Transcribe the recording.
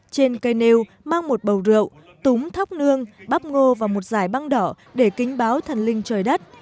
trên cây nêu mang một bầu rượu túng thóc nương bắp ngô và một giải băng đỏ để kinh báo thần linh trời đất